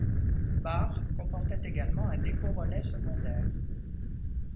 Barr comportait également un dépôt-relais secondaire.